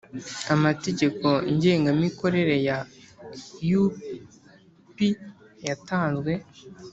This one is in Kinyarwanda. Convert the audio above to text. amategeko ngengamikorere ya U P yatanzwe